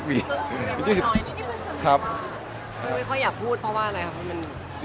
คือไม่ค่อยอยากพูดเพราะว่าอะไรครับ